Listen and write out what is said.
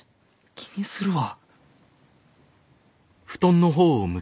気にするわ。